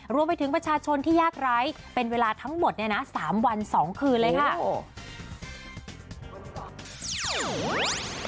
รวมไปถึงประชาชนที่ยากไร้เป็นเวลาทั้งหมดเนี่ยนะ๓วัน๒คืนเลยค่ะ